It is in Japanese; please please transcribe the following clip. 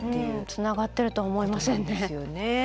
つながってると思いませんね。